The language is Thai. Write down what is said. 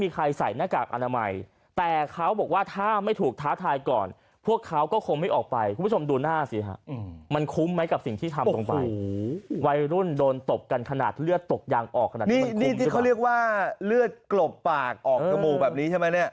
คุณโดนตบกันขนาดเลือดตกยางออกขนาดนี้มันคุ้มนี่ที่เขาเรียกว่าเลือดกรบปากออกกระบูกแบบนี้ใช่ไหมเนี่ย